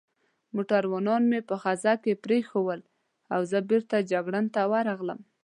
موټروانان مې په خزه کې پرېښوول او زه بېرته جګړن ته ورغلم.